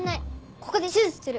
ここで手術する。